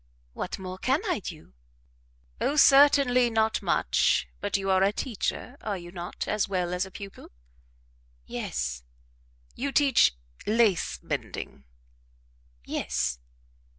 "What more can I do?" "Oh, certainly, not much; but you are a teacher, are you not, as well as a pupil?" "Yes." "You teach lace mending?" "Yes."